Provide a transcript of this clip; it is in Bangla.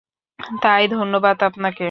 তাই, ধন্যবাদ আপনাকে।